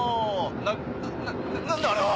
な何だあれは！